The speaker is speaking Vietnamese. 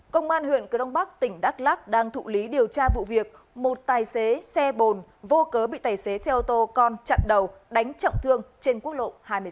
công an huyện crong bắc tỉnh đắk lắc đang thụ lý điều tra vụ việc một tài xế xe bồn vô cớ bị tài xế xe ô tô con chặn đầu đánh trọng thương trên quốc lộ hai mươi một